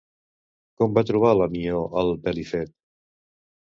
Com va trobar la Mió al Pelifet?